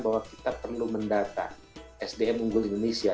bahwa kita perlu mendata sdm unggul indonesia